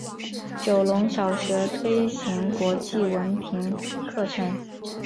九龙小学推行国际文凭课程。